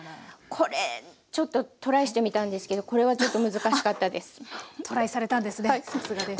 これちょっとトライしてみたんですけどこれはちょっと難しかったです。